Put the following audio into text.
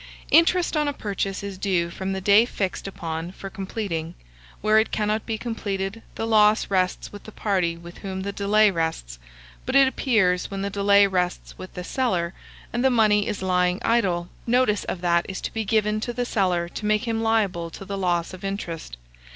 Interest on a purchase is due from the day fixed upon for completing: where it cannot be completed, the loss rests with the party with whom the delay rests; but it appears, when the delay rests with the seller, and the money is lying idle, notice of that is to be given to the seller to make him liable to the loss of interest.